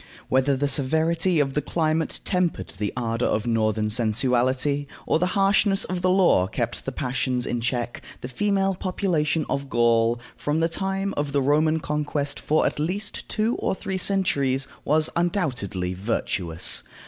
Whether the severity of the climate tempered the ardor of northern sensuality, or the harshness of the law kept the passions in check, the female population of Gaul, from the time of the Roman conquest for at least two or three centuries, was undoubtedly virtuous.